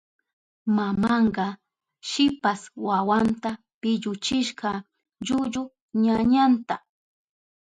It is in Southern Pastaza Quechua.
Mamanka shipas wawanta pilluchishka llullu ñañanta.